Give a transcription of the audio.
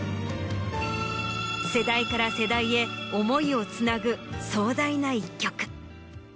世代から世代へ思いをつなぐ壮大な一曲。